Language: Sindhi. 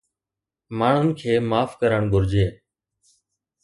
ماڻهن کي معاف ڪرڻ گهرجي